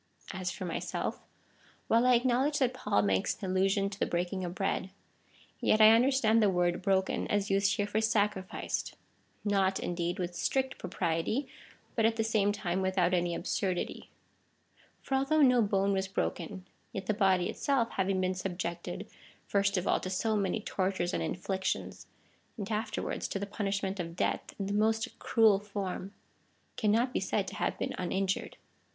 As for myself — while I acknowledge that Paul makes an allusion to the breaking of bread, yet I understand the word broken as used here for sacrificed — not, indeed, with strict propriety, but at the same time without any absurdity. For although no bone was h'oken, yet the body itself having been subjected, first of all, to so many tortures and inflic tions, and afterwards to the punishment of death in the most cruel form, cannot be said to have been uninjured.